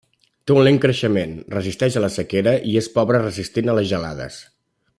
Té un lent creixement, resisteix a la sequera i és pobre resistint a les gelades.